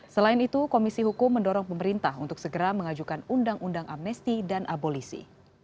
selain itu komisi hukum mendorong pemerintah untuk segera mengajukan undang undang amnesti dan abolisi